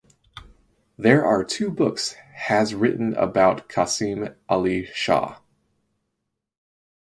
There are two books has written about Qasim Ali Shah.